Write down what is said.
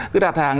cứ đặt hàng